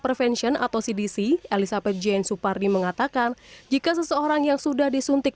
prevention atau cdc elizabeth jane supardi mengatakan jika seseorang yang sudah disuntik